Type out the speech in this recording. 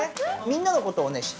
みんなのことをね